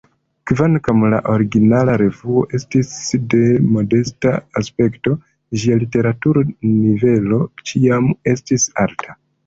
Kvankam la originala revuo estis de modesta aspekto, ĝia literatura nivelo ĉiam estis alta.